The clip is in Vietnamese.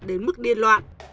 đến mức điên loạn